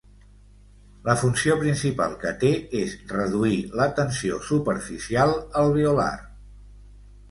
La funció principal que té és reduir la tensió superficial alveolar.